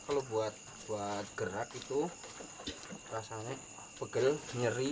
kalau buat gerak itu rasanya pegel nyeri